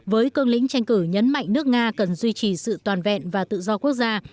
với cương lĩnh tranh cử nhấn mạnh nước nga cần duy trì sự toàn vẹn và tự do quốc gia